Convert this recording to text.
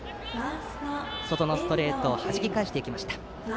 外のストレートをはじき返していきました。